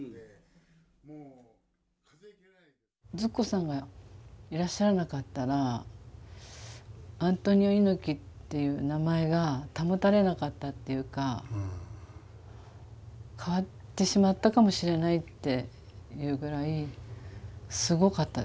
ズッコさんがいらっしゃらなかったら「アントニオ猪木」っていう名前が保たれなかったっていうか変わってしまったかもしれないっていうぐらいすごかったですね。